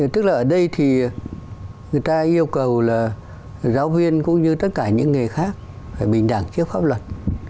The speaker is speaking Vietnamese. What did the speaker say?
tức là ở đây thì người ta yêu cầu là giáo viên cũng như tất cả những người khác phải bình đẳng trước pháp luật